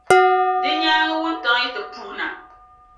Di nyaaŋa wuntaŋ' yi ti puhi na.